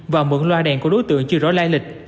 và mượn loa đèn của đối tượng chưa rõ lai lịch